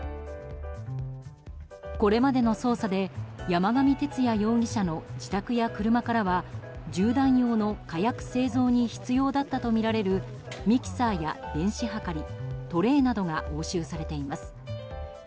これまでの捜査で山上徹也容疑者の自宅や車からは銃弾用の火薬製造に必要だったとみられるミキサーや電子はかりトレーなどが押収されています。